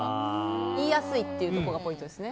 言いやすいというところがポイントです。